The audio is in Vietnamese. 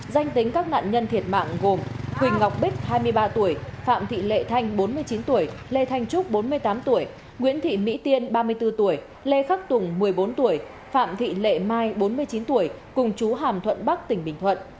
danh tính các nạn nhân thiệt mạng gồm huỳnh ngọc bích hai mươi ba tuổi phạm thị lệ thanh bốn mươi chín tuổi lê thanh trúc bốn mươi tám tuổi nguyễn thị mỹ tiên ba mươi bốn tuổi lê khắc tùng một mươi bốn tuổi phạm thị lệ mai bốn mươi chín tuổi cùng chú hàm thuận bắc tỉnh bình thuận